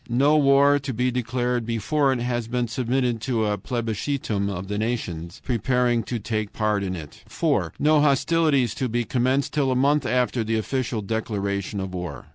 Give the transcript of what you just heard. No war to be declared before it has been submitted to a plebiscitum of the nations preparing to take part in it. 4. No hostilities to be commenced till a month after the official declaration of war.